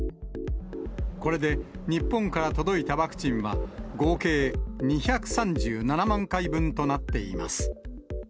これで、日本から届いたワクチンは、合計２３７万回分となっています。